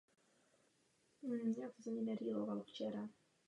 Naopak vozovna nejstarší byla zrekonstruována.